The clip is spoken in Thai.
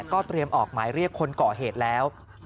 ก็เตรียมออกหมายเรียกคนก่อเหตุแล้ว